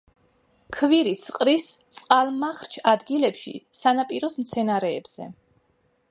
ქვირითს ყრის წყალმარჩხ ადგილებში სანაპიროს მცენარეებზე.